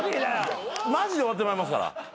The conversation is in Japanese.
マジで終わってまいますから。